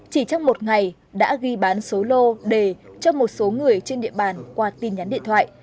chỉ trong một ngày đã ghi bán số lô đề cho một số người trên địa bàn qua tin nhắn điện thoại